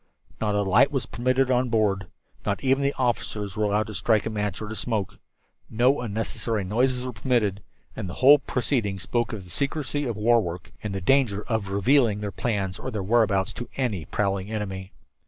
Not a light was permitted on board. Not even the officers were allowed to strike a match or to smoke. No unnecessary noises were permitted, and the whole proceeding spoke of the secrecy of war work and the danger of revealing their plans or their whereabouts to any prowling enemy.